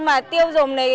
mà tiêu dùng này